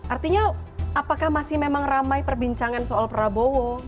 artinya apakah masih memang ramai perbincangan soal prabowo